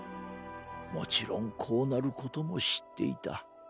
もちろんこうなることも知っていた。